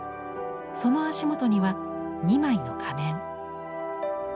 その足元には２枚の仮面。